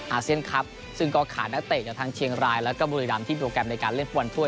อาเซียนครับซึ่งก็ขาดนักเตะจากทางเชียงรายแล้วก็บุรีรำที่โปรแกรมในการเล่นฟุตบอลถ้วย